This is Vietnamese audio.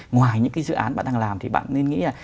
ngoài những cái dự án bạn đang làm thì bạn nên nghĩ là